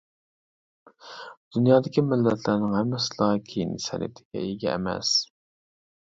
دۇنيادىكى مىللەتلەرنىڭ ھەممىسىلا كىيىنىش سەنئىتىگە ئىگە ئەمەس.